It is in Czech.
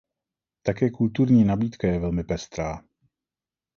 Také kulturní nabídka je velmi pestrá.